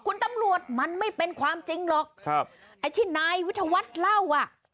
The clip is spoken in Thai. คุณตำรวจมันไม่เป็นความจริงหรอกครับไอ้ที่นายวิทยาวัฒน์เล่าอ่ะ